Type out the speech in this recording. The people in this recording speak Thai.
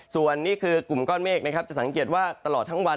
ส่วนนี้คือกลุ่มก้อนเมฆนะครับจะสังเกตว่าตลอดทั้งวัน